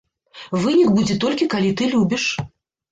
Вынік будзе толькі калі ты любіш.